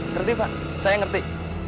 ngerti pak saya ngerti